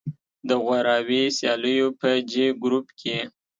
د غوراوي سیالیو په جې ګروپ کې